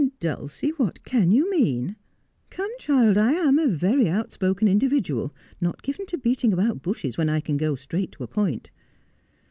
' Dulcie, what can you mean ? Come, child, I am a very out spoken individual, not given to beating about bushes when I can go straight to a point.